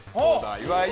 岩井